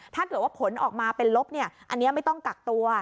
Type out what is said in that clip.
ถ้าเกิดว่าผลออกมาเป็นลบอันนี้ไม่ต้องกักตัว